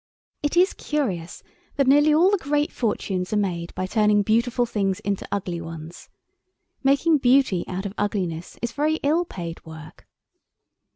It is curious that nearly all the great fortunes are made by turning beautiful things into ugly ones. Making beauty out of ugliness is very ill paid work.